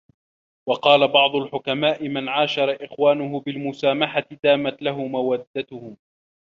وَقَالَ بَعْضُ الْحُكَمَاءِ مَنْ عَاشَرَ إخْوَانَهُ بِالْمُسَامَحَةِ دَامَتْ لَهُ مَوَدَّاتُهُمْ